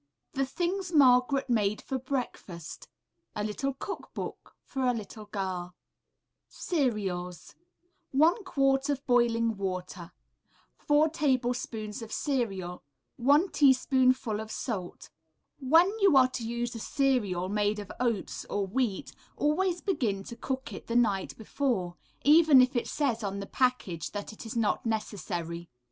THE THINGS MARGARET MADE FOR BREAKFAST A LITTLE COOK BOOK FOR A LITTLE GIRL CEREALS 1 quart of boiling water. 4 tablespoonfuls of cereal. 1 teaspoonful of salt. When you are to use a cereal made of oats or wheat, always begin to cook it the night before, even if it says on the package that it is not necessary.